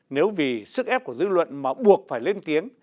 nếu vì sức ép của dư luận mà buộc phải lên tiếng